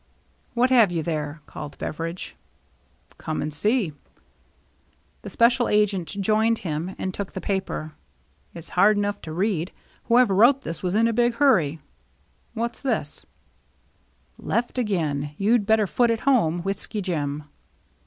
" What have you there ?" called Beveridge. " Come and see." The special agent joined him and took the paper. " It's hard enough to read. Whoever wrote this was in a big hurry. What's this ? 2SO THE MERRY ANNE ' Left again. You'd better foot it home. Whiskey Jim.'